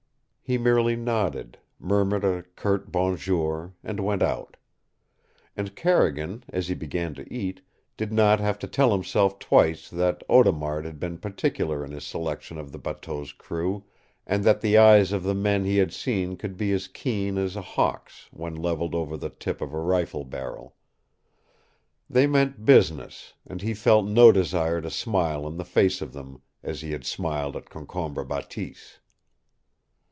He merely nodded, murmured a curt bonjour, and went out. And Carrigan, as he began to eat, did not have to tell himself twice that Audemard had been particular in his selection of the bateau's crew, and that the eyes of the men he had seen could be as keen as a hawk's when leveled over the tip of a rifle barrel. They meant business, and he felt no desire to smile in the face of them, as he had smiled at Concombre Bateese.